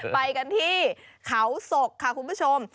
ไปกันที่เขาศกค่ะคุณผู้ชม